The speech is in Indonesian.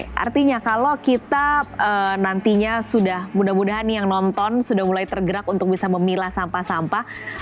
oke artinya kalau kita nantinya sudah mudah mudahan yang nonton sudah mulai tergerak untuk bisa memilah sampah sampah